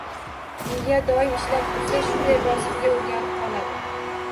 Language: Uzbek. Miya doim ishlab tursa, shunday bosimga o‘rganib qoladi.